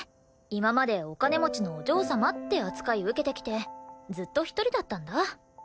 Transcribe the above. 今までお金持ちのお嬢様って扱い受けてきてずっと一人だったんだ。